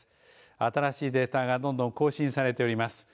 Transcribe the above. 新しいデータがどんどん更新されております。